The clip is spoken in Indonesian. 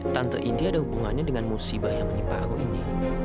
tante inti ada hubungannya dengan musibah yang menimpa aku ini